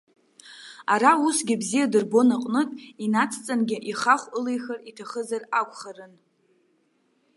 Ара усгьы бзиа дырбон аҟнытә, инацҵангьы ихахә ылихыр иҭахызар акәхарын.